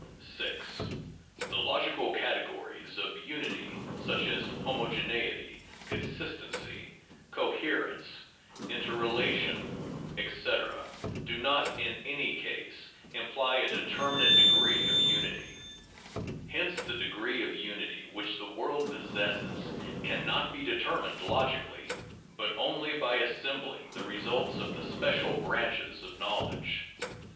The logical categories of unity, such as homogeneity, consist ency, coherence, interrelation, etc., do not in any case imply a de terminate degree of unity. Hence the degree of unity which the world possesses can not be determined logically, but only by assem bling the results of the special branches of knowledge.